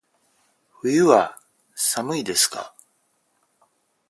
外は寒いですか。